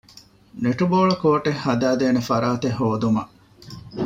ނެޓްބޯޅަކޯޓެއް ހަދައިދޭނެ ފަރާތެއް ހޯދުމަށް